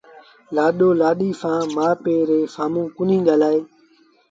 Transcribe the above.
لآڏو لآڏيٚ سآݩ مآ پي ري سآمهون ڪونهيٚ ڳآلآئي